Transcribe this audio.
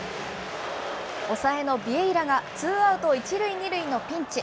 抑えのビエイラがツーアウト１塁２塁のピンチ。